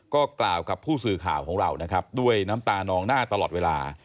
ก็กล่าวกับผู้สื่อข่าวของเรานะครับด้วยน้ำตานองหน้าตลอดเวลา